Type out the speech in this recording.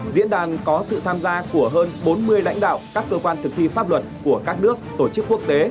diễn đàn có sự tham gia của hơn bốn mươi lãnh đạo các cơ quan thực thi pháp luật của các nước tổ chức quốc tế